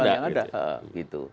undang undang yang ada